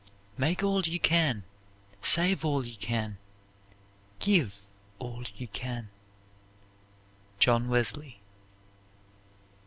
"Make all you can, save all you can, give all you can." JOHN WESLEY.